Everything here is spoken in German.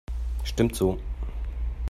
Stimmt so.